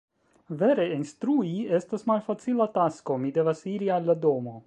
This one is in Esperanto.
Vere, instrui estas malfacila tasko. Mi devas iri al la domo.